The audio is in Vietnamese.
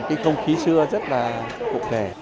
tết ngày xưa rất là cục đề